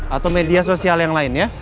atau media sosial yang lain ya